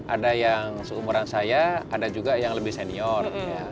ada yang seumuran saya ada juga yang lebih senior